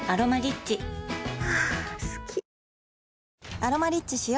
「アロマリッチ」しよ